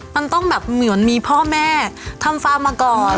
มันต้องแบบเหมือนมีพ่อแม่ทำฟาร์มมาก่อน